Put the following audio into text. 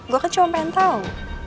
gue kan cuma pengen tau